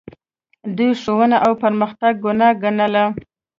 دوی ښوونه او پرمختګ ګناه ګڼله